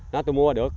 nó tôi mua được